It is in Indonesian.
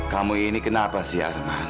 kamu ini kenapa sih arman